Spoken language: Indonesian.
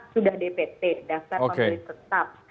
sudah dpt dasar pembeli tetap